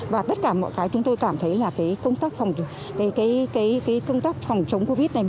và tất cả mọi cái chúng tôi cảm thấy là cái công tác phòng chống covid này